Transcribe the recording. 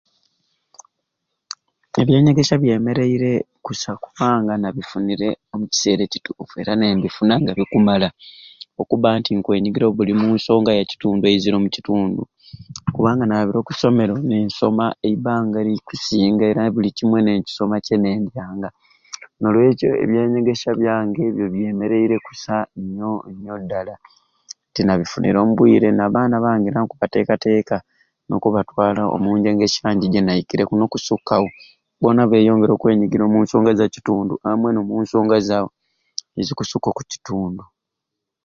Ebyanyegesya byemereire kusai kubanga nabifunire omukiseera ekituffu era nembifuna nga bikumala, okuba nti nkwenyigira omubuli nsonga yakitundu eizire omukitundu kubanga nabiire okusomeero ninsoma eibanga erikusinga era ninsoma buli kyenendyanga, nolwekyo ebyanyegesya byange byemereire kussa nyo nyo dala, nti nabifunire omubuire, nabaana bange era nkubatekateka okubatwala omunyegesya nje jinaikireku nokusukaawo bona beyongere okwenyigira omunsonga zakitundu amwei nomunsonga za ahh ezikusuka omukitundu.